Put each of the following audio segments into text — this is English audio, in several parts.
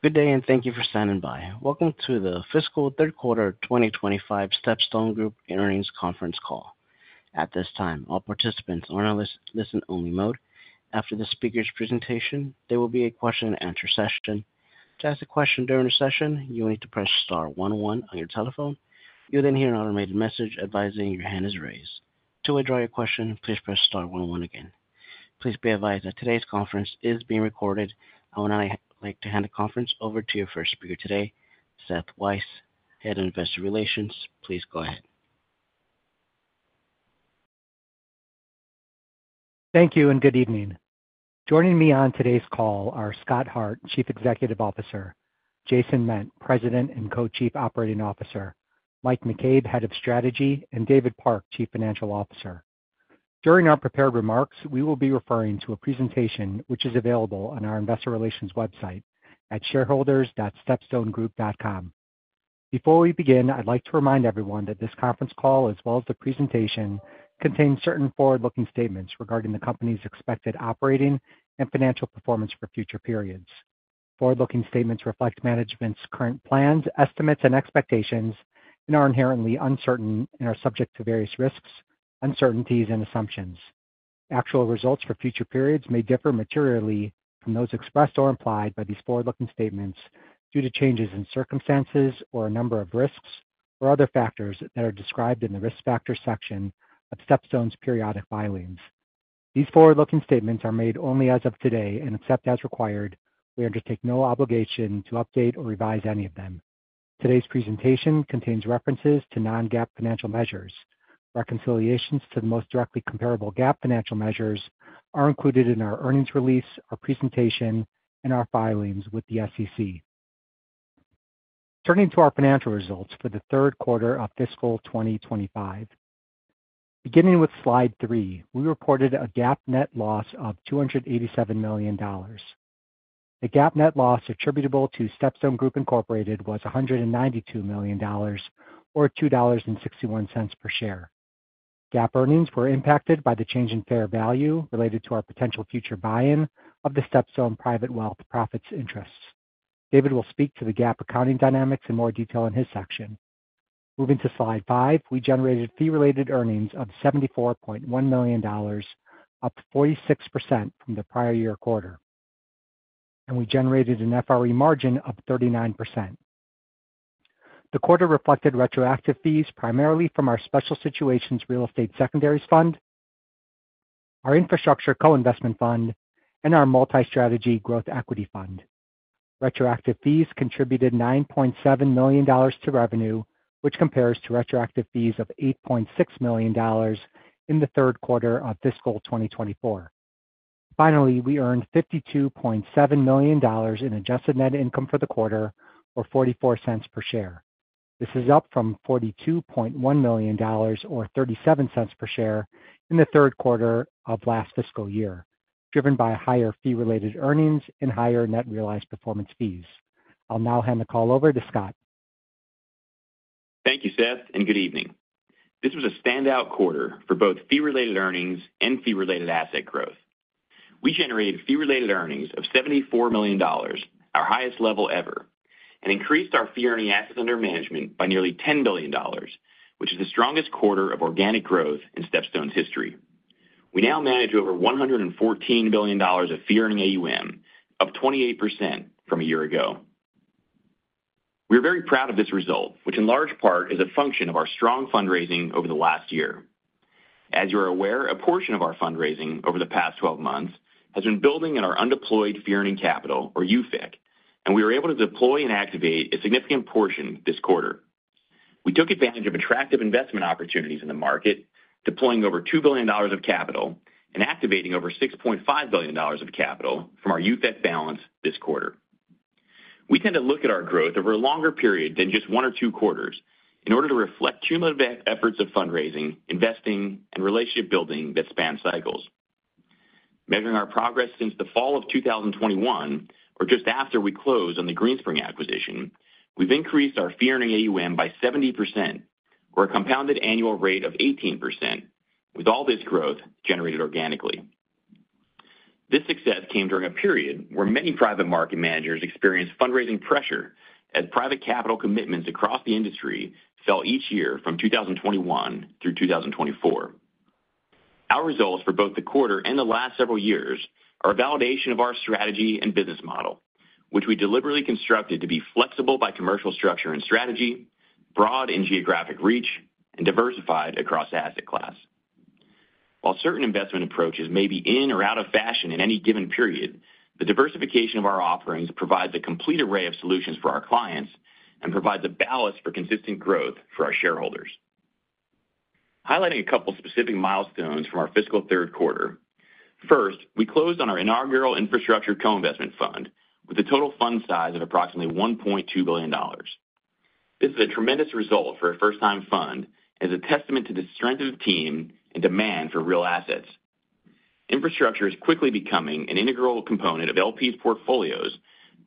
Good day, and thank you for standing by. Welcome to the fiscal third quarter 2025 StepStone Group earnings conference call. At this time, all participants are in a listen-only mode. After the speaker's presentation, there will be a question-and-answer session. To ask a question during the session, you will need to press star one one on your telephone. You'll then hear an automated message advising your hand is raised. To withdraw your question, please press star one one again. Please be advised that today's conference is being recorded. I would now like to hand the conference over to your first speaker today, Seth Weiss, Head of Investor Relations. Please go ahead. Thank you, and good evening. Joining me on today's call are Scott Hart, Chief Executive Officer, Jason Ment, President and Co-Chief Operating Officer, Mike McCabe, Head of Strategy, and David Park, Chief Financial Officer. During our prepared remarks, we will be referring to a presentation which is available on our Investor Relations website at shareholders.stepstonegroup.com. Before we begin, I'd like to remind everyone that this conference call, as well as the presentation, contains certain forward-looking statements regarding the company's expected operating and financial performance for future periods. Forward-looking statements reflect management's current plans, estimates, and expectations, and are inherently uncertain and are subject to various risks, uncertainties, and assumptions. Actual results for future periods may differ materially from those expressed or implied by these forward-looking statements due to changes in circumstances or a number of risks or other factors that are described in the Risk Factor section of StepStone's periodic filings. These forward-looking statements are made only as of today and, except as required, we undertake no obligation to update or revise any of them. Today's presentation contains references to non-GAAP financial measures. Reconciliations to the most directly comparable GAAP financial measures are included in our earnings release, our presentation, and our filings with the SEC. Turning to our financial results for the third quarter of fiscal 2025, beginning with slide three, we reported a GAAP net loss of $287 million. The GAAP net loss attributable to StepStone Group Incorporated was $192 million, or $2.61 per share. GAAP earnings were impacted by the change in fair value related to our potential future buy-in of the StepStone Private Wealth profit interest. David will speak to the GAAP accounting dynamics in more detail in his section. Moving to slide five, we generated fee-related earnings of $74.1 million, up 46% from the prior year quarter, and we generated an FRE margin of 39%. The quarter reflected retroactive fees primarily from our special situation real estate secondaries fund, our infrastructure co-investment fund, and our multi-strategy growth equity fund. Retroactive fees contributed $9.7 million to revenue, which compares to retroactive fees of $8.6 million in the third quarter of fiscal 2024. Finally, we earned $52.7 million in adjusted net income for the quarter, or $0.44 per share. This is up from $42.1 million, or $0.37 per share, in the third quarter of last fiscal year, driven by higher fee-related earnings and higher net realized performance fees. I'll now hand the call over to Scott. Thank you, Seth, and good evening. This was a standout quarter for both fee-related earnings and fee-related asset growth. We generated fee-related earnings of $74 million, our highest level ever, and increased our fee-earning assets under management by nearly $10 billion, which is the strongest quarter of organic growth in StepStone's history. We now manage over $114 billion of fee-earning AUM, up 28% from a year ago. We are very proud of this result, which in large part is a function of our strong fundraising over the last year. As you are aware, a portion of our fundraising over the past 12 months has been building in our undeployed fee-earning capital, or UFEC, and we were able to deploy and activate a significant portion this quarter. We took advantage of attractive investment opportunities in the market, deploying over $2 billion of capital and activating over $6.5 billion of capital from our UFEC balance this quarter. We tend to look at our growth over a longer period than just one or two quarters in order to reflect cumulative efforts of fundraising, investing, and relationship building that span cycles. Measuring our progress since the fall of 2021, or just after we closed on the Greenspring acquisition, we've increased our fee-earning AUM by 70%, or a compounded annual rate of 18%, with all this growth generated organically. This success came during a period where many private market managers experienced fundraising pressure as private capital commitments across the industry fell each year from 2021 through 2024. Our results for both the quarter and the last several years are a validation of our strategy and business model, which we deliberately constructed to be flexible by commercial structure and strategy, broad in geographic reach, and diversified across asset class. While certain investment approaches may be in or out of fashion in any given period, the diversification of our offerings provides a complete array of solutions for our clients and provides a balance for consistent growth for our shareholders. Highlighting a couple of specific milestones from our fiscal third quarter, first, we closed on our inaugural infrastructure co-investment fund with a total fund size of approximately $1.2 billion. This is a tremendous result for a first-time fund and is a testament to the strength of the team and demand for real assets. Infrastructure is quickly becoming an integral component of LP's portfolios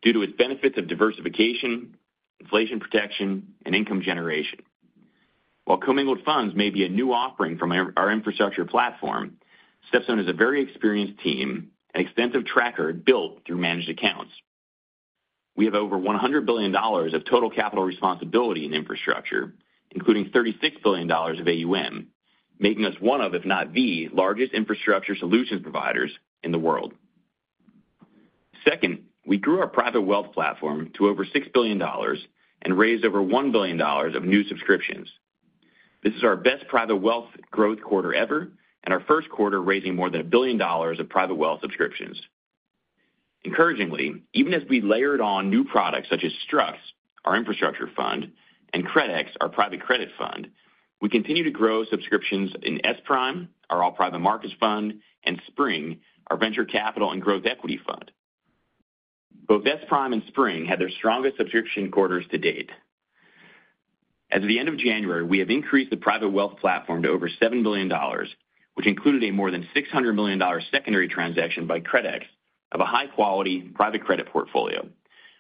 due to its benefits of diversification, inflation protection, and income generation. While commingled funds may be a new offering from our infrastructure platform, StepStone is a very experienced team and extensive track record built through managed accounts. We have over $100 billion of total capital responsibility in infrastructure, including $36 billion of AUM, making us one of, if not the, largest infrastructure solutions providers in the world. Second, we grew our private wealth platform to over $6 billion and raised over $1 billion of new subscriptions. This is our best private wealth growth quarter ever and our first quarter raising more than $1 billion of private wealth subscriptions. Encouragingly, even as we layered on new products such as STRUX, our Infrastructure Fund, and CRDEX, our Private Credit Fund, we continue to grow subscriptions in SPRIM, our All Private Markets Fund, and SPRING, our Venture Capital and Growth Equity Fund. Both SPRIM and SPRING had their strongest subscription quarters to date. As of the end of January, we have increased the private wealth platform to over $7 billion, which included a more than $600 million secondary transaction by CRDEX of a high-quality private credit portfolio,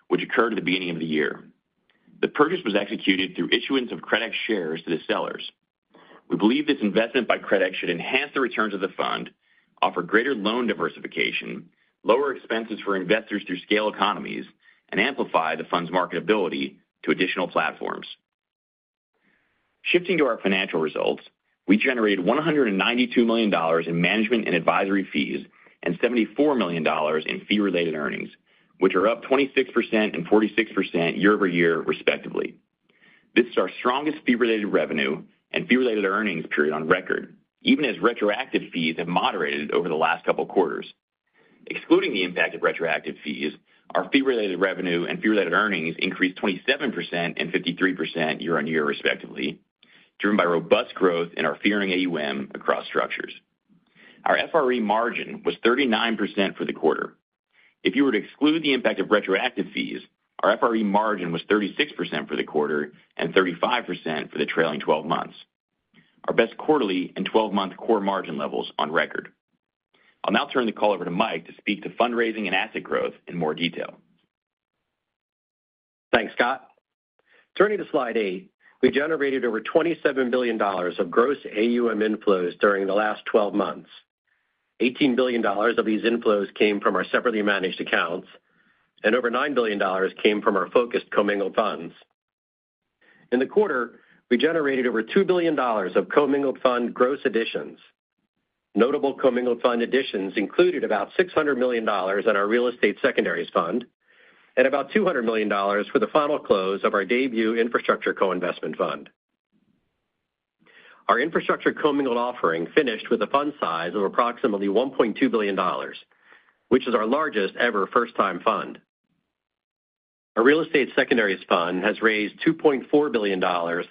which occurred at the beginning of the year. The purchase was executed through issuance of CRDEX shares to the sellers. We believe this investment by CRDEX should enhance the returns of the fund, offer greater loan diversification, lower expenses for investors through scale economies, and amplify the fund's marketability to additional platforms. Shifting to our financial results, we generated $192 million in management and advisory fees and $74 million in fee-related earnings, which are up 26% and 46% year-over-year, respectively. This is our strongest fee-related revenue and fee-related earnings period on record, even as retroactive fees have moderated over the last couple of quarters. Excluding the impact of retroactive fees, our fee-related revenue and fee-related earnings increased 27% and 53% year-on-year, respectively, driven by robust growth in our fee-earning AUM across structures. Our FRE margin was 39% for the quarter. If you were to exclude the impact of retroactive fees, our FRE margin was 36% for the quarter and 35% for the trailing 12 months, our best quarterly and 12-month core margin levels on record. I'll now turn the call over to Mike to speak to fundraising and asset growth in more detail. Thanks, Scott. Turning to slide eight, we generated over $27 billion of gross AUM inflows during the last 12 months. $18 billion of these inflows came from our separately managed accounts, and over $9 billion came from our focused commingled funds. In the quarter, we generated over $2 billion of commingled fund gross additions. Notable commingled fund additions included about $600 million in our real estate secondaries fund and about $200 million for the final close of our debut infrastructure co-investment fund. Our infrastructure commingled offering finished with a fund size of approximately $1.2 billion, which is our largest ever first-time fund. Our real estate secondaries fund has raised $2.4 billion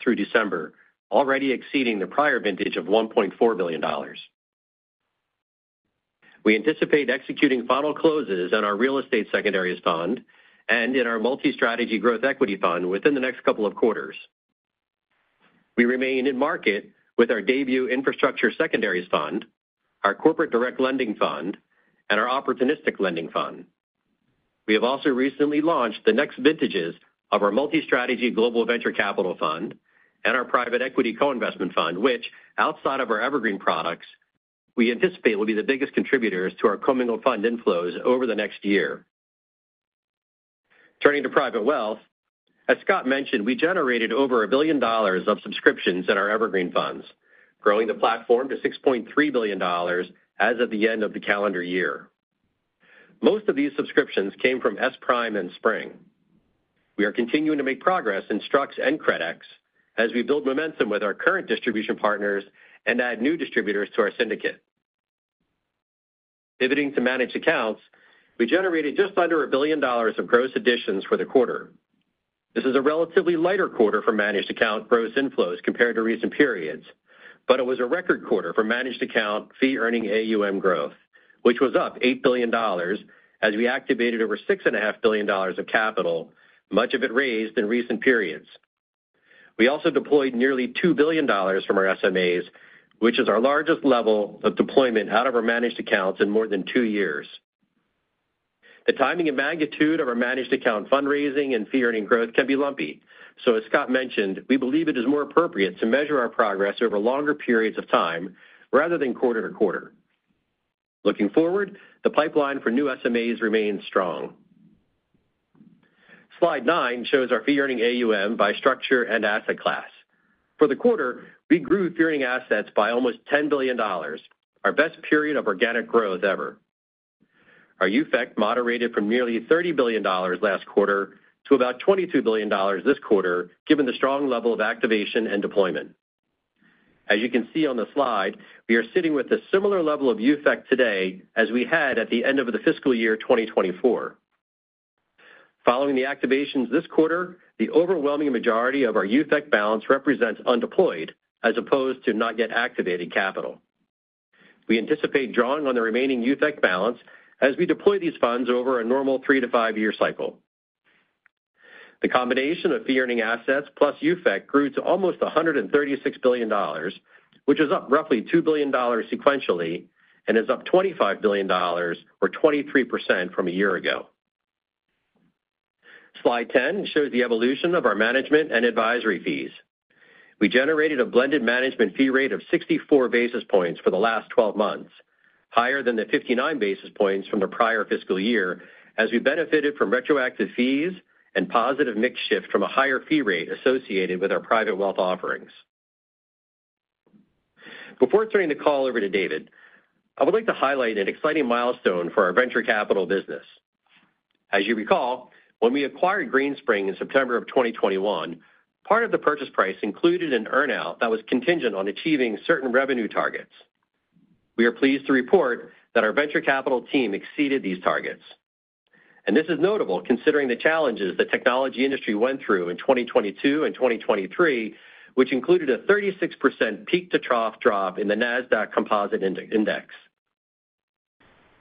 through December, already exceeding the prior vintage of $1.4 billion. We anticipate executing final closes on our real estate secondaries fund and in our multi-strategy growth equity fund within the next couple of quarters. We remain in market with our debut infrastructure secondaries fund, our corporate direct lending fund, and our opportunistic lending fund. We have also recently launched the next vintages of our multi-strategy global venture capital fund and our private equity co-investment fund, which, outside of our evergreen products, we anticipate will be the biggest contributors to our commingled fund inflows over the next year. Turning to Private Wealth, as Scott mentioned, we generated over $1 billion of subscriptions in our evergreen funds, growing the platform to $6.3 billion as of the end of the calendar year. Most of these subscriptions came from SPRIM and SPRING. We are continuing to make progress in STRUX and CRDEX as we build momentum with our current distribution partners and add new distributors to our syndicate. Pivoting to managed accounts, we generated just under $1 billion of gross additions for the quarter. This is a relatively lighter quarter for managed account gross inflows compared to recent periods, but it was a record quarter for managed account fee-earning AUM growth, which was up $8 billion as we activated over $6.5 billion of capital, much of it raised in recent periods. We also deployed nearly $2 billion from our SMAs, which is our largest level of deployment out of our managed accounts in more than two years. The timing and magnitude of our managed account fundraising and fee-earning growth can be lumpy, so as Scott mentioned, we believe it is more appropriate to measure our progress over longer periods of time rather than quarter to quarter. Looking forward, the pipeline for new SMAs remains strong. Slide nine shows our fee-earning AUM by structure and asset class. For the quarter, we grew fee-earning assets by almost $10 billion, our best period of organic growth ever. Our UFEC moderated from nearly $30 billion last quarter to about $22 billion this quarter, given the strong level of activation and deployment. As you can see on the slide, we are sitting with a similar level of UFEC today as we had at the end of the fiscal year 2024. Following the activations this quarter, the overwhelming majority of our UFEC balance represents undeployed as opposed to not yet activated capital. We anticipate drawing on the remaining UFEC balance as we deploy these funds over a normal three- to five-year cycle. The combination of fee-earning assets plus UFEC grew to almost $136 billion, which is up roughly $2 billion sequentially and is up $25 billion, or 23% from a year ago. Slide 10 shows the evolution of our management and advisory fees. We generated a blended management fee rate of 64 basis points for the last 12 months, higher than the 59 basis points from the prior fiscal year as we benefited from retroactive fees and positive mix shift from a higher fee rate associated with our private wealth offerings. Before turning the call over to David, I would like to highlight an exciting milestone for our venture capital business. As you recall, when we acquired Greenspring in September of 2021, part of the purchase price included an earnout that was contingent on achieving certain revenue targets. We are pleased to report that our venture capital team exceeded these targets. And this is notable considering the challenges the technology industry went through in 2022 and 2023, which included a 36% peak-to-trough drop in the Nasdaq Composite Index.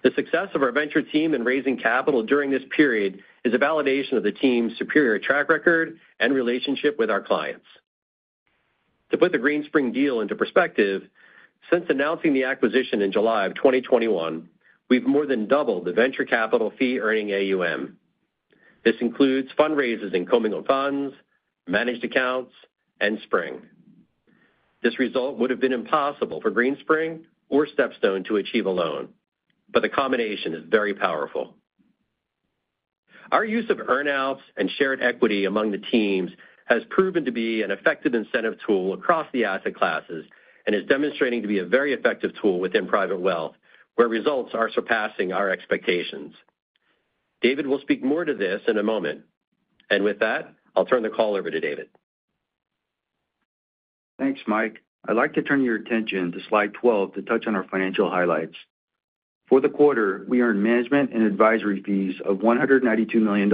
The success of our venture team in raising capital during this period is a validation of the team's superior track record and relationship with our clients. To put the Greenspring deal into perspective, since announcing the acquisition in July of 2021, we've more than doubled the venture capital fee-earning AUM. This includes fundraisers in commingled funds, managed accounts, and SPRING. This result would have been impossible for Greenspring or StepStone to achieve alone, but the combination is very powerful. Our use of earnouts and shared equity among the teams has proven to be an effective incentive tool across the asset classes and is demonstrating to be a very effective tool within private wealth, where results are surpassing our expectations. David will speak more to this in a moment, and with that, I'll turn the call over to David. Thanks, Mike. I'd like to turn your attention to slide 12 to touch on our financial highlights. For the quarter, we earned management and advisory fees of $192 million,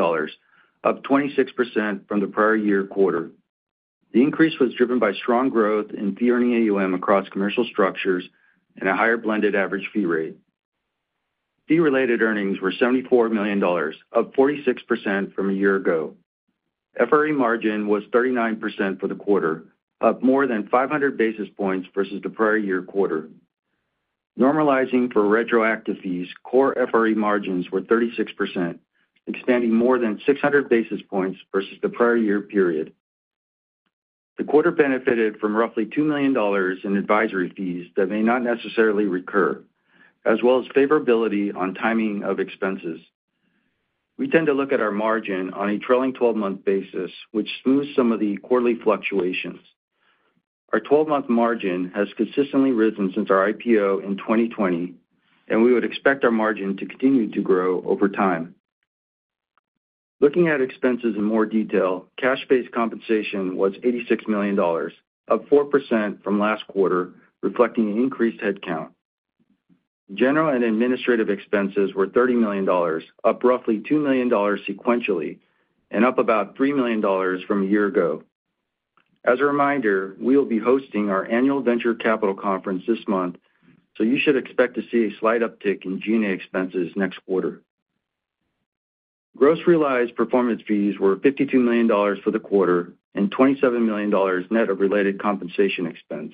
up 26% from the prior year quarter. The increase was driven by strong growth in fee-earning AUM across commercial structures and a higher blended average fee rate. Fee-related earnings were $74 million, up 46% from a year ago. FRE margin was 39% for the quarter, up more than 500 basis points versus the prior year quarter. Normalizing for retroactive fees, core FRE margins were 36%, expanding more than 600 basis points versus the prior year period. The quarter benefited from roughly $2 million in advisory fees that may not necessarily recur, as well as favorability on timing of expenses. We tend to look at our margin on a trailing 12-month basis, which smooths some of the quarterly fluctuations. Our 12-month margin has consistently risen since our IPO in 2020, and we would expect our margin to continue to grow over time. Looking at expenses in more detail, cash-based compensation was $86 million, up 4% from last quarter, reflecting an increased headcount. General and administrative expenses were $30 million, up roughly $2 million sequentially, and up about $3 million from a year ago. As a reminder, we will be hosting our annual venture capital conference this month, so you should expect to see a slight uptick in G&A expenses next quarter. Gross realized performance fees were $52 million for the quarter and $27 million net of related compensation expense.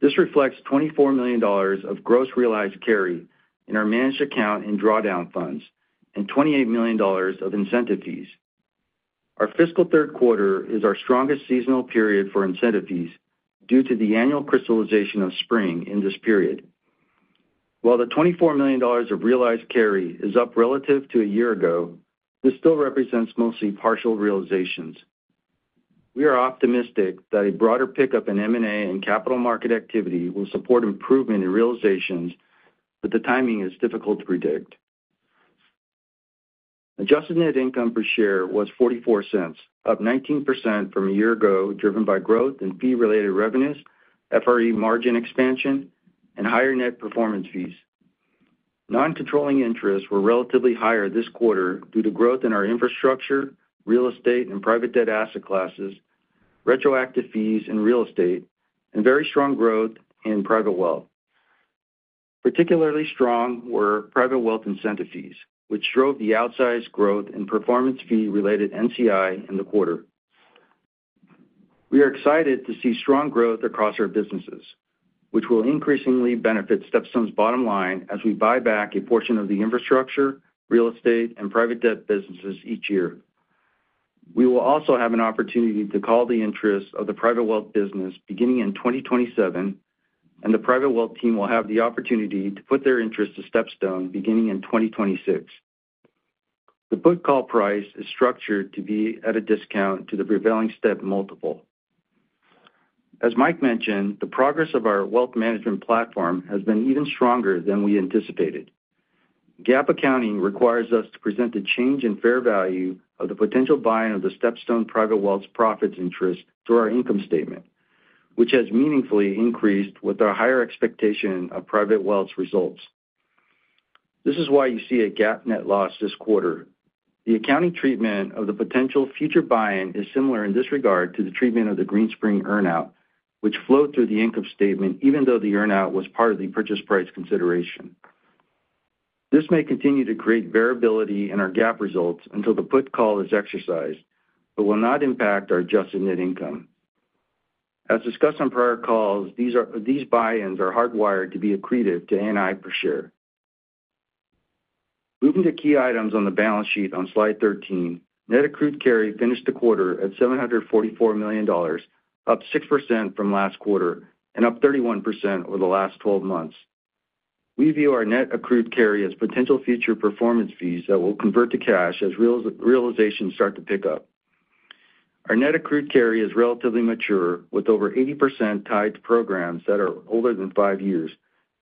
This reflects $24 million of gross realized carry in our managed account and drawdown funds and $28 million of incentive fees. Our fiscal third quarter is our strongest seasonal period for incentive fees due to the annual crystallization of SPRING in this period. While the $24 million of realized carry is up relative to a year ago, this still represents mostly partial realizations. We are optimistic that a broader pickup in M&A and capital market activity will support improvement in realizations, but the timing is difficult to predict. Adjusted net income per share was $0.44, up 19% from a year ago, driven by growth in fee-related revenues, FRE margin expansion, and higher net performance fees. Non-controlling interests were relatively higher this quarter due to growth in our infrastructure, real estate, and private debt asset classes, retroactive fees in real estate, and very strong growth in private wealth. Particularly strong were private wealth incentive fees, which drove the outsized growth in performance fee-related NCI in the quarter. We are excited to see strong growth across our businesses, which will increasingly benefit StepStone's bottom line as we buy back a portion of the infrastructure, real estate, and private debt businesses each year. We will also have an opportunity to call the interest of the Private Wealth business beginning in 2027, and the Private Wealth team will have the opportunity to put their interest to StepStone beginning in 2026. The put call price is structured to be at a discount to the prevailing step multiple. As Mike mentioned, the progress of our wealth management platform has been even stronger than we anticipated. GAAP accounting requires us to present a change in fair value of the potential buy-in of the StepStone Private Wealth's profit interest through our income statement, which has meaningfully increased with our higher expectation of Private Wealth's results. This is why you see a GAAP net loss this quarter. The accounting treatment of the potential future buy-in is similar in this regard to the treatment of the Greenspring earnout, which flowed through the income statement even though the earnout was part of the purchase price consideration. This may continue to create variability in our GAAP results until the put call is exercised, but will not impact our adjusted net income. As discussed on prior calls, these buy-ins are hardwired to be accretive to ANI per share. Moving to key items on the balance sheet on slide 13, net accrued carry finished the quarter at $744 million, up 6% from last quarter and up 31% over the last 12 months. We view our net accrued carry as potential future performance fees that will convert to cash as realizations start to pick up. Our net accrued carry is relatively mature, with over 80% tied to programs that are older than five years,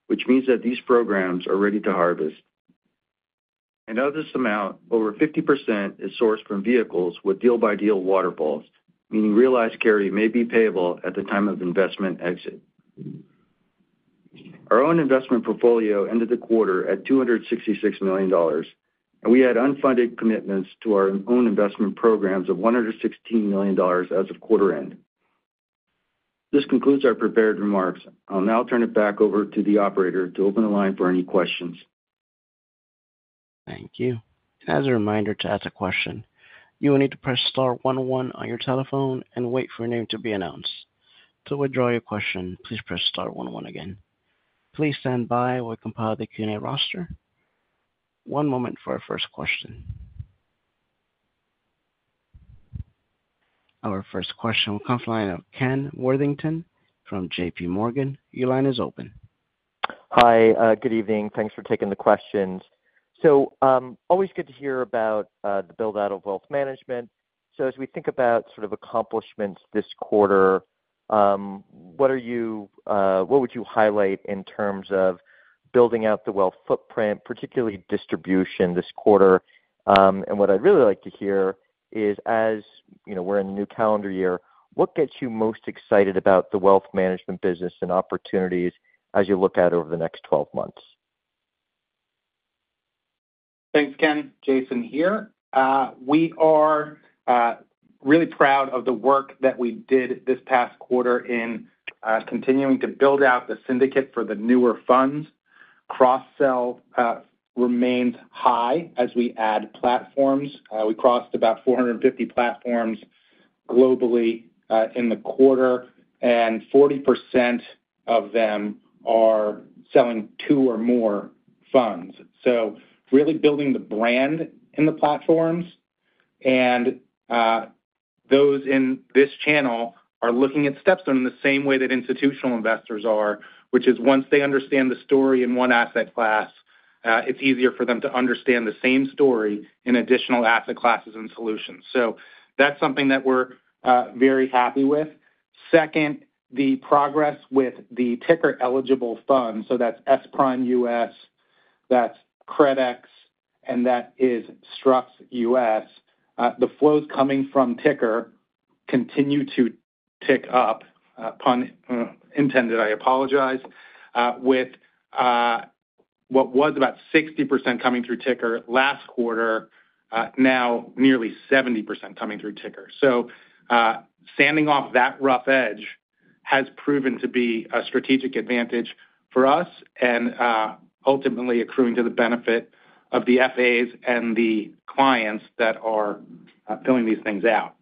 which means that these programs are ready to harvest. And of this amount, over 50% is sourced from vehicles with deal-by-deal waterfalls, meaning realized carry may be payable at the time of investment exit. Our own investment portfolio ended the quarter at $266 million, and we had unfunded commitments to our own investment programs of $116 million as of quarter end. This concludes our prepared remarks. I'll now turn it back over to the operator to open the line for any questions. Thank you. As a reminder to ask a question, you will need to press star one one on your telephone and wait for your name to be announced. To withdraw your question, please press star one one again. Please stand by while we compile the Q&A roster. One moment for our first question. Our first question will come from the line of Ken Worthington from JPMorgan. Your line is open. Hi, good evening. Thanks for taking the questions. Always good to hear about the build-out of wealth management. As we think about sort of accomplishments this quarter, what would you highlight in terms of building out the wealth footprint, particularly distribution this quarter? What I'd really like to hear is, as we're in the new calendar year, what gets you most excited about the wealth management business and opportunities as you look at it over the next 12 months? Thanks, Ken. Jason here. We are really proud of the work that we did this past quarter in continuing to build out the syndicate for the newer funds. Cross-sell remains high as we add platforms. We crossed about 450 platforms globally in the quarter, and 40% of them are selling two or more funds. So really building the brand in the platforms, and those in this channel are looking at StepStone in the same way that institutional investors are, which is once they understand the story in one asset class, it's easier for them to understand the same story in additional asset classes and solutions. So that's something that we're very happy with. Second, the progress with the ticker-eligible funds. So that's SPRIM U.S., that's CRDEX, and that is STRUX U.S., the flows coming from ticker continue to tick up. With what was about 60% coming through ticker last quarter, now nearly 70% coming through ticker. So sanding off that rough edge has proven to be a strategic advantage for us and ultimately accruing to the benefit of the FAs and the clients that are filling these things out.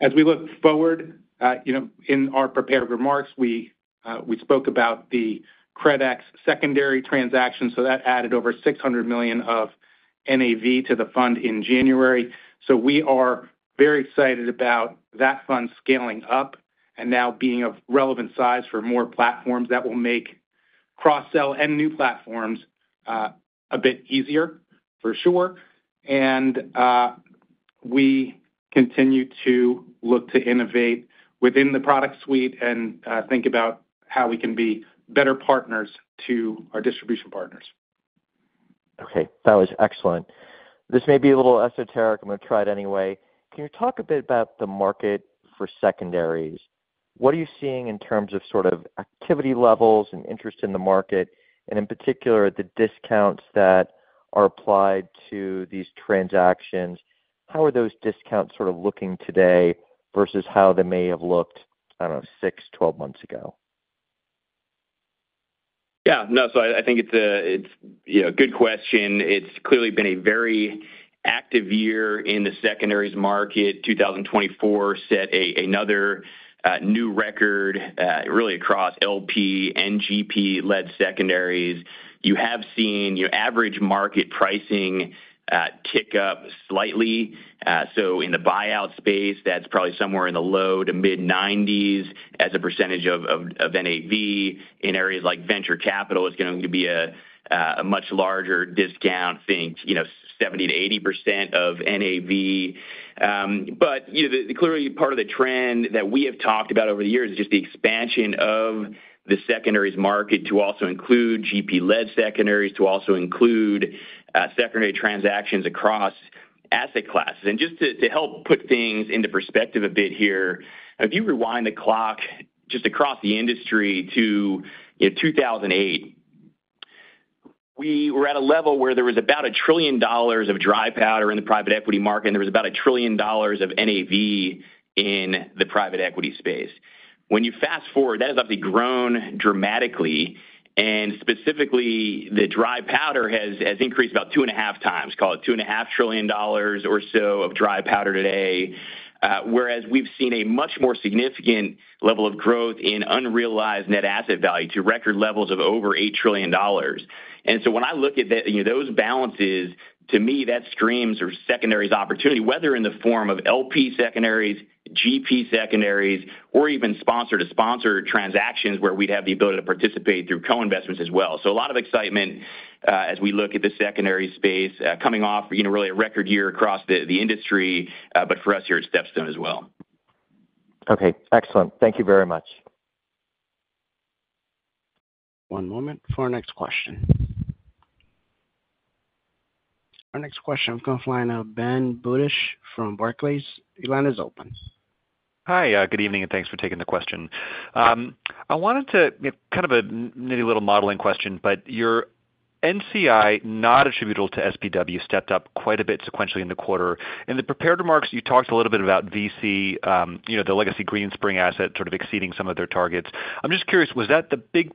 As we look forward, in our prepared remarks, we spoke about the CRDEX secondary transaction, so that added over $600 million of NAV to the fund in January, so we are very excited about that fund scaling up and now being of relevant size for more platforms that will make cross-sell and new platforms a bit easier, for sure, and we continue to look to innovate within the product suite and think about how we can be better partners to our distribution partners. Okay. That was excellent. This may be a little esoteric. I'm going to try it anyway. Can you talk a bit about the market for secondaries? What are you seeing in terms of sort of activity levels and interest in the market, and in particular, the discounts that are applied to these transactions? How are those discounts sort of looking today versus how they may have looked, I don't know, six, 12 months ago? Yeah. No, so I think it's a good question. It's clearly been a very active year in the secondaries market. 2024 set another new record really across LP and GP-led secondaries. You have seen average market pricing tick up slightly. So in the buyout space, that's probably somewhere in the low-to-mid 90s% of NAV. In areas like venture capital, it's going to be a much larger discount, I think 70%-80% of NAV. But clearly, part of the trend that we have talked about over the years is just the expansion of the secondaries market to also include GP-led secondaries, to also include secondary transactions across asset classes. Just to help put things into perspective a bit here, if you rewind the clock just across the industry to 2008, we were at a level where there was about $1 trillion of dry powder in the private equity market, and there was about $1 trillion of NAV in the private equity space. When you fast forward, that has obviously grown dramatically. Specifically, the dry powder has increased about 2.5x. Call it $2.5 trillion or so of dry powder today, whereas we've seen a much more significant level of growth in unrealized net asset value to record levels of over $8 trillion. So when I look at those balances, to me, that screams a secondaries opportunity, whether in the form of LP secondaries, GP secondaries, or even sponsor-to-sponsor transactions where we'd have the ability to participate through co-investments as well. So a lot of excitement as we look at the secondary space coming off really a record year across the industry, but for us here at StepStone as well. Okay. Excellent. Thank you very much. One moment for our next question. Our next question coming from Ben Budish from Barclays. Your line is open. Hi. Good evening and thanks for taking the question. I wanted to kind of a nitty-gritty little modeling question, but your NCI not attributable to SPW stepped up quite a bit sequentially in the quarter. In the prepared remarks, you talked a little bit about VC, the legacy Greenspring asset sort of exceeding some of their targets. I'm just curious, was that the big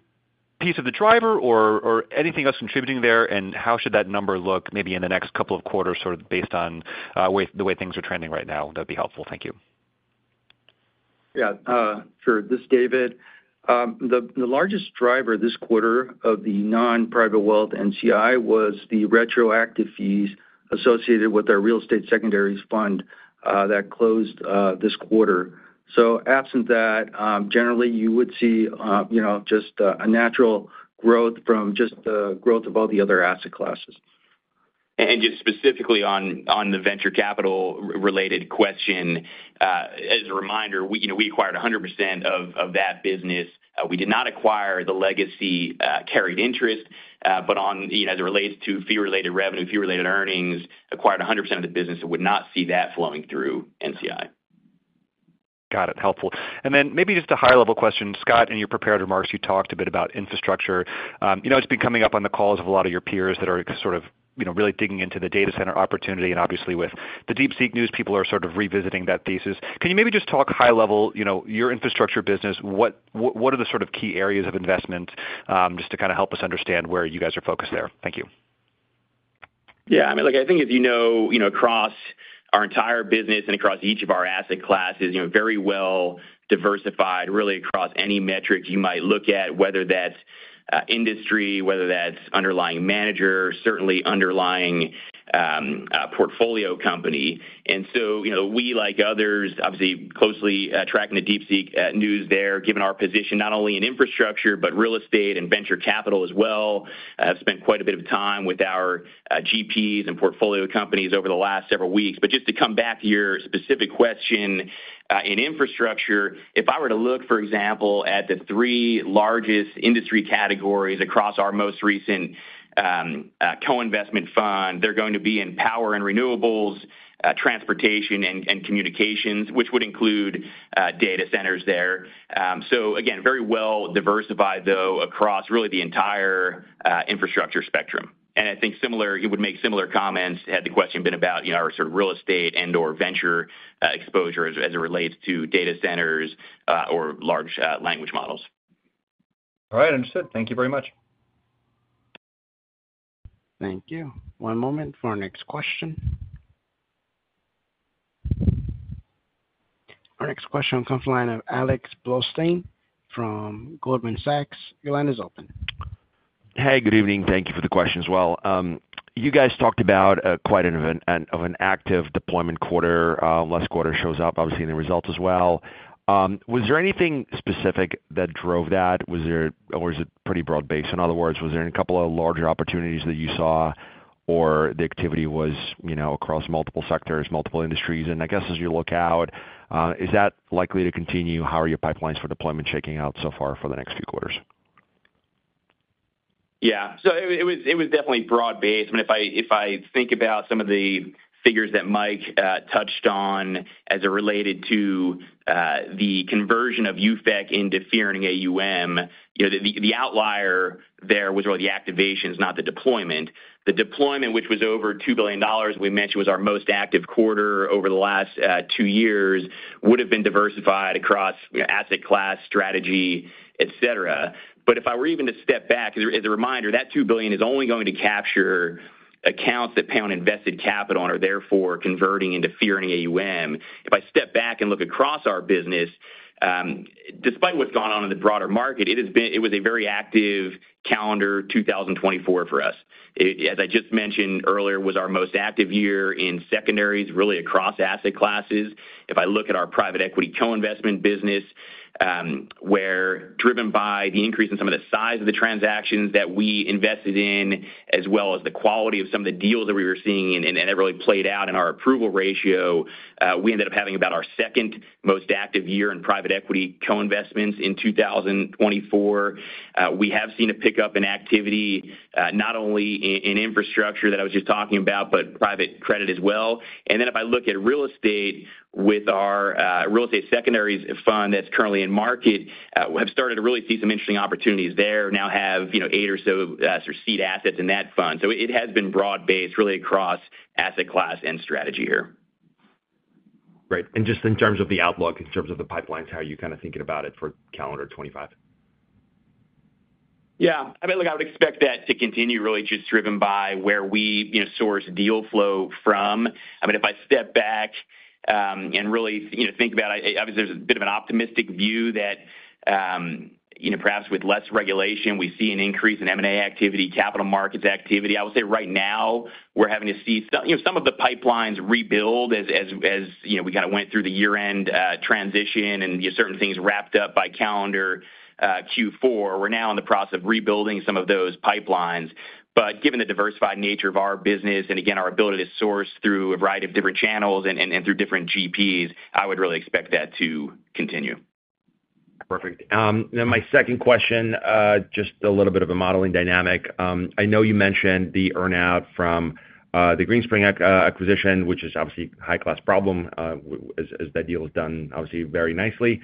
piece of the driver or anything else contributing there? And how should that number look maybe in the next couple of quarters sort of based on the way things are trending right now? That'd be helpful. Thank you. Yeah. Sure. This is David. The largest driver this quarter of the non-private wealth NCI was the retroactive fees associated with our real estate secondaries fund that closed this quarter. So absent that, generally, you would see just a natural growth from just the growth of all the other asset classes. And just specifically on the venture capital-related question, as a reminder, we acquired 100% of that business. We did not acquire the legacy-carried interest, but as it relates to fee-related revenue, fee-related earnings, acquired 100% of the business. I would not see that flowing through NCI. Got it. Helpful. And then maybe just a higher-level question, Scott, in your prepared remarks, you talked a bit about infrastructure. It's been coming up on the calls of a lot of your peers that are sort of really digging into the data center opportunity. And obviously, with the DeepSeek news, people are sort of revisiting that thesis. Can you maybe just talk high-level, your infrastructure business, what are the sort of key areas of investment just to kind of help us understand where you guys are focused there? Thank you. Yeah. I mean, I think as you know, across our entire business and across each of our asset classes, very well diversified really across any metric you might look at, whether that's industry, whether that's underlying manager, certainly underlying portfolio company. And so we, like others, obviously closely tracking the DeepSeek news there, given our position not only in infrastructure but real estate and venture capital as well, have spent quite a bit of time with our GPs and portfolio companies over the last several weeks. But just to come back to your specific question in infrastructure, if I were to look, for example, at the three largest industry categories across our most recent co-investment fund, they're going to be in power and renewables, transportation, and communications, which would include data centers there. So again, very well diversified, though, across really the entire infrastructure spectrum. I think similarly you would make similar comments had the question been about our sort of real estate and or venture exposure as it relates to data centers or large language models. All right. Understood. Thank you very much. Thank you. One moment for our next question. Our next question comes from the line of Alex Blostein from Goldman Sachs. Your line is open. Hey, good evening. Thank you for the question as well. You guys talked about quite an active deployment quarter. Last quarter shows up, obviously, in the results as well. Was there anything specific that drove that? Or was it pretty broad-based? In other words, was there a couple of larger opportunities that you saw, or the activity was across multiple sectors, multiple industries? And I guess as you look out, is that likely to continue? How are your pipelines for deployment shaking out so far for the next few quarters? Yeah. So it was definitely broad-based. I mean, if I think about some of the figures that Mike touched on as it related to the conversion of UFEC into fee-earning AUM, the outlier there was really the activations, not the deployment. The deployment, which was over $2 billion, we mentioned was our most active quarter over the last two years, would have been diversified across asset class, strategy, etc. But if I were even to step back, as a reminder, that $2 billion is only going to capture accounts that pay on invested capital and are therefore converting into fee-earning AUM. If I step back and look across our business, despite what's gone on in the broader market, it was a very active calendar 2024 for us. As I just mentioned earlier, it was our most active year in secondaries, really across asset classes. If I look at our private equity co-investment business, where driven by the increase in some of the size of the transactions that we invested in, as well as the quality of some of the deals that we were seeing, and it really played out in our approval ratio, we ended up having about our second most active year in private equity co-investments in 2024. We have seen a pickup in activity, not only in infrastructure that I was just talking about, but private credit as well. And then if I look at real estate with our real estate secondaries fund that's currently in market, we have started to really see some interesting opportunities there. Now have eight or so sort of seed assets in that fund. So it has been broad-based really across asset class and strategy here. Great. And just in terms of the outlook, in terms of the pipelines, how are you kind of thinking about it for calendar 2025? Yeah. I mean, I would expect that to continue really just driven by where we source deal flow from. I mean, if I step back and really think about it, obviously, there's a bit of an optimistic view that perhaps with less regulation, we see an increase in M&A activity, capital markets activity. I would say right now, we're having to see some of the pipelines rebuild as we kind of went through the year-end transition and certain things wrapped up by calendar Q4. We're now in the process of rebuilding some of those pipelines. But given the diversified nature of our business and, again, our ability to source through a variety of different channels and through different GPs, I would really expect that to continue. Perfect. Then my second question, just a little bit of a modeling dynamic. I know you mentioned the earnout from the Greenspring acquisition, which is obviously a high-class problem as that deal is done, obviously, very nicely.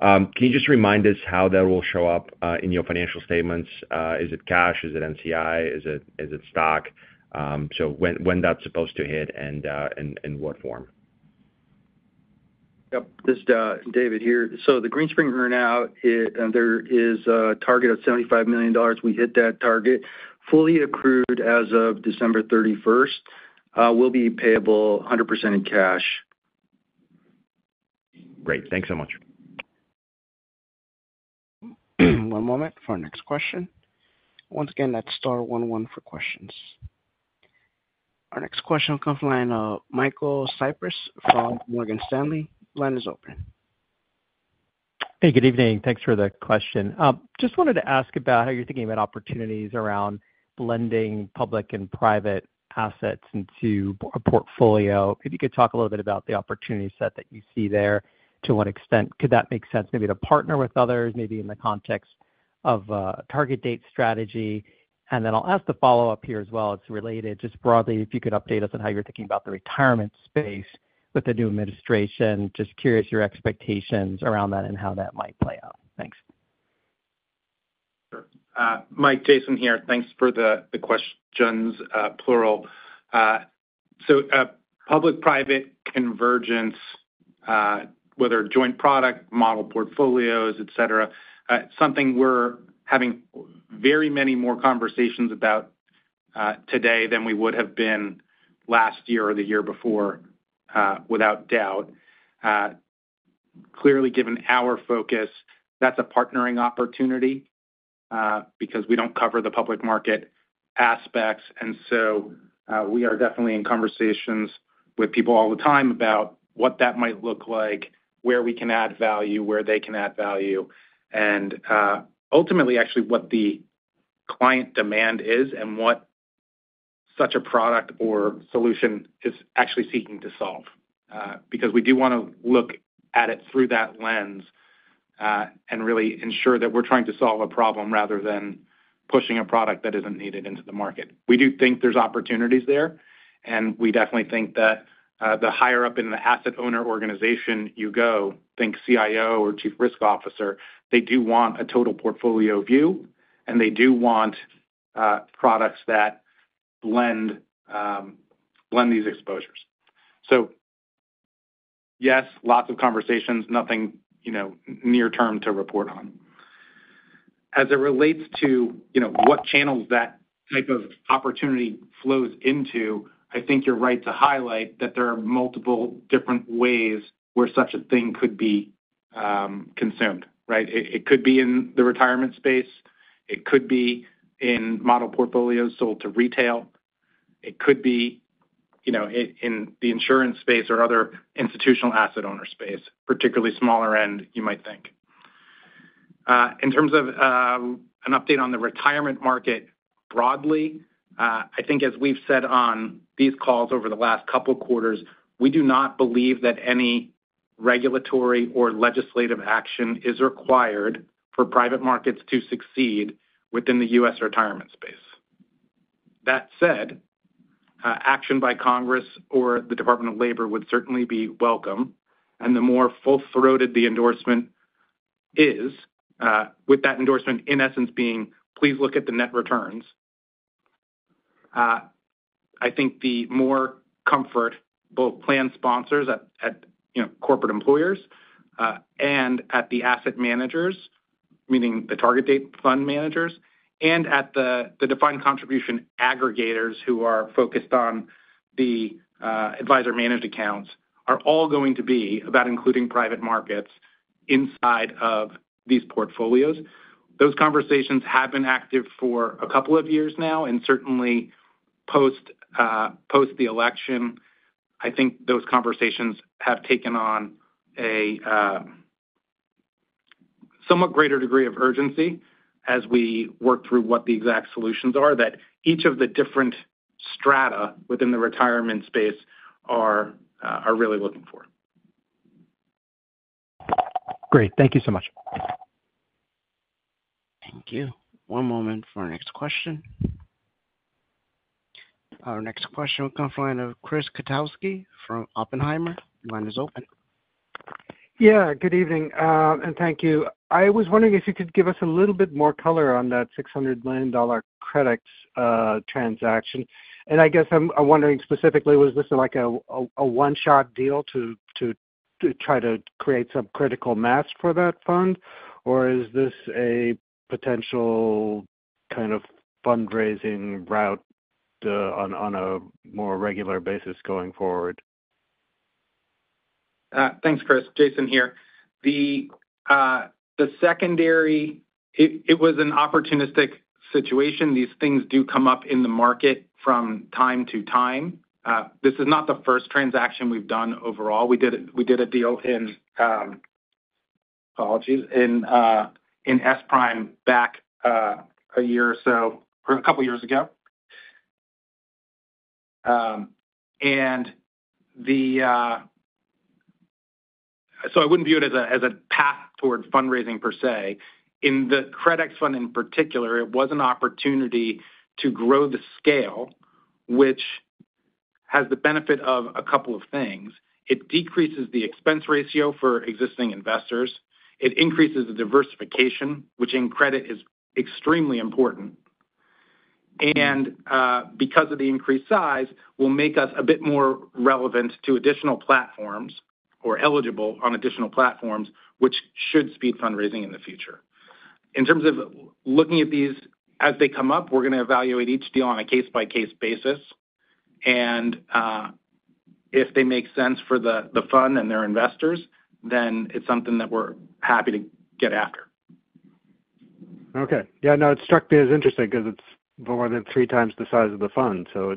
Can you just remind us how that will show up in your financial statements? Is it cash? Is it NCI? Is it stock? So when that's supposed to hit and in what form? Yep. David here. So the Greenspring earnout, there is a target of $75 million. We hit that target fully accrued as of December 31st, will be payable 100% in cash. Great. Thanks so much. One moment for our next question. Once again, that's star one one for questions. Our next question comes from Michael Cyprys from Morgan Stanley. Line is open. Hey, good evening. Thanks for the question. Just wanted to ask about how you're thinking about opportunities around blending public and private assets into a portfolio. If you could talk a little bit about the opportunity set that you see there, to what extent could that make sense maybe to partner with others, maybe in the context of a target date strategy? And then I'll ask the follow-up here as well. It's related. Just broadly, if you could update us on how you're thinking about the retirement space with the new administration. Just curious your expectations around that and how that might play out. Thanks. Mike, Jason here. Thanks for the questions, plural. So public-private convergence, whether joint product, model portfolios, etc., something we're having very many more conversations about today than we would have been last year or the year before, without doubt. Clearly, given our focus, that's a partnering opportunity because we don't cover the public market aspects. And so we are definitely in conversations with people all the time about what that might look like, where we can add value, where they can add value, and ultimately, actually, what the client demand is and what such a product or solution is actually seeking to solve. Because we do want to look at it through that lens and really ensure that we're trying to solve a problem rather than pushing a product that isn't needed into the market. We do think there's opportunities there. And we definitely think that the higher up in the asset owner organization you go, think CIO or Chief Risk Officer, they do want a total portfolio view, and they do want products that blend these exposures. So yes, lots of conversations, nothing near term to report on. As it relates to what channels that type of opportunity flows into, I think you're right to highlight that there are multiple different ways where such a thing could be consumed, right? It could be in the retirement space. It could be in model portfolios sold to retail. It could be in the insurance space or other institutional asset owner space, particularly smaller end, you might think. In terms of an update on the retirement market broadly, I think as we've said on these calls over the last couple of quarters, we do not believe that any regulatory or legislative action is required for private markets to succeed within the U.S. retirement space. That said, action by Congress or the Department of Labor would certainly be welcome, and the more full-throated the endorsement is, with that endorsement in essence being, "Please look at the net returns," I think the more comfort both plan sponsors at corporate employers and at the asset managers, meaning the target date fund managers, and at the defined contribution aggregators who are focused on the advisor-managed accounts are all going to be about including private markets inside of these portfolios. Those conversations have been active for a couple of years now. Certainly, post the election, I think those conversations have taken on a somewhat greater degree of urgency as we work through what the exact solutions are that each of the different strata within the retirement space are really looking for. Great. Thank you so much. Thank you. One moment for our next question. Our next question comes from the line of Chris Kotowski from Oppenheimer. Line is open. Yeah. Good evening and thank you. I was wondering if you could give us a little bit more color on that $600 million credit transaction. And I guess I'm wondering specifically, was this a one-shot deal to try to create some critical mass for that fund? Or is this a potential kind of fundraising route on a more regular basis going forward? Thanks, Chris. Jason here. The secondary, it was an opportunistic situation. These things do come up in the market from time to time. This is not the first transaction we've done overall. We did a deal in, apologies, in SPRIM back a year or so, or a couple of years ago, and so I wouldn't view it as a path toward fundraising per se. In the credit fund in particular, it was an opportunity to grow the scale, which has the benefit of a couple of things. It decreases the expense ratio for existing investors. It increases the diversification, which in credit is extremely important, and because of the increased size, will make us a bit more relevant to additional platforms or eligible on additional platforms, which should speed fundraising in the future. In terms of looking at these as they come up, we're going to evaluate each deal on a case-by-case basis, and if they make sense for the fund and their investors, then it's something that we're happy to get after. Okay. Yeah. No, it struck me as interesting because it's more than three times the size of the fund. So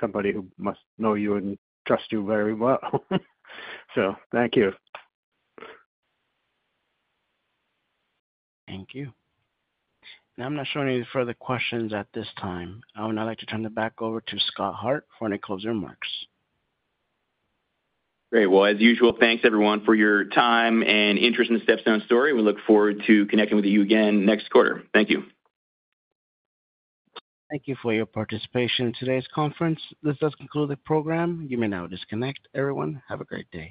somebody who must know you and trust you very well. So thank you. Thank you. Now, I'm not showing any further questions at this time. I would now like to turn it back over to Scott Hart for any closing remarks. Great. Well, as usual, thanks everyone for your time and interest in the StepStone story. We look forward to connecting with you again next quarter. Thank you. Thank you for your participation in today's conference. This does conclude the program. You may now disconnect, everyone. Have a great day.